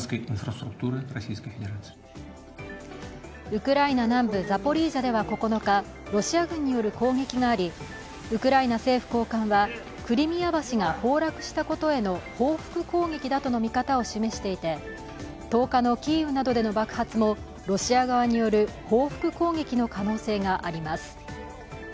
ウクライナ南部ザポリージャでは９日、ロシア軍による攻撃があり、ウクライナ政府高官はクリミア橋が崩落したことへの報復攻撃だとの見方を示していて、１０日のキーウなどでの爆発もロシア側による報復攻撃の可能性があります。